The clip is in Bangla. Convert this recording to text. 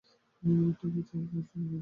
ঠিক আছে, ওকে স্টেশনে নিয়ে আসো।